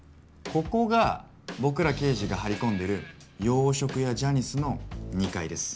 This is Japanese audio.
ここが僕ら刑事が張り込んでる洋食屋ジャニスの２階です。